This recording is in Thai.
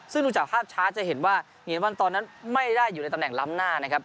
ซึ่งดูจากภาพช้าจะเห็นว่าเฮียวันตอนนั้นไม่ได้อยู่ในตำแหล้ำหน้านะครับ